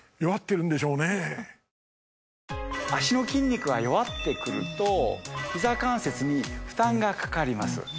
脚の筋肉が弱ってくるとひざ関節に負担がかかります。